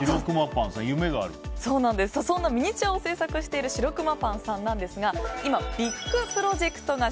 そんなミニチュアを制作しているしろくまパンさんなんですが今、ビッグプロジェクトが